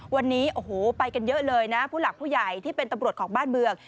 วันนี้โอ้โหไปกันเยอะเลยนะผู้หลักผู้ใหญ่ที่เป็นตำรวจของบ้านเมือง